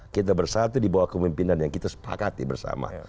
kita bersatu di bawah kemimpinan yang kita sepakati bersama